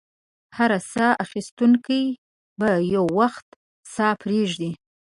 هر ساه اخیستونکی به یو وخت ساه پرېږدي.